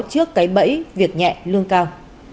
trước cái bẫy việc nhẹ lương cao